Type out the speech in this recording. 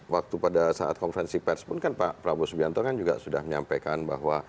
waktu pada saat konferensi pers pun kan pak prabowo subianto kan juga sudah menyampaikan bahwa